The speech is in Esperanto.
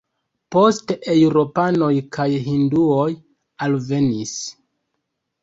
Poste eŭropanoj kaj hinduoj alvenis.